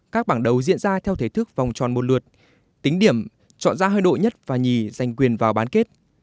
các bảng đầu diễn ra theo thể thức vòng tròn một lượt tính điểm chọn ra hơi đội nhất và nhì giành quyền vào bán kết